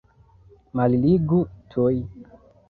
Malligu tuj!